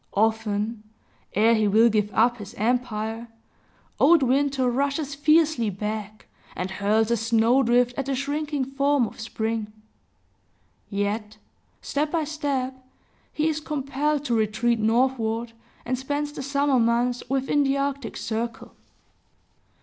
Often, ere he will give up his empire, old Winter rushes fiercely back, and hurls a snow drift at the shrinking form of Spring; yet, step by step, he is compelled to retreat northward, and spends the summer months within the Arctic circle.